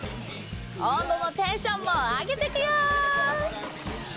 温度もテンションも上げてくよ！